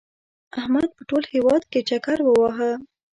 احمد په ټول هېواد کې چکر ووهه.